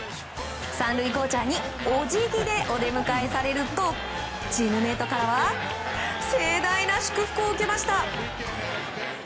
３塁コーチャーにお辞儀でお出迎えされるとチームメートからは盛大な祝福を受けました。